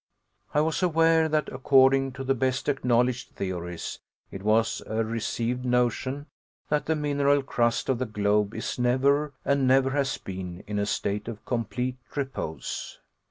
I was aware that, according to the best acknowledged theories, it was a received notion that the mineral crust of the globe is never, and never has been, in a state of complete repose.